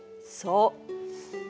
そう。